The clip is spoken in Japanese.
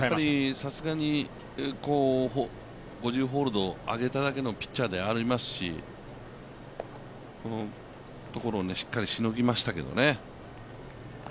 さすがに５０ホールド上げただけのピッチャーでありますしこのところをしっかりしのぎましたけどね。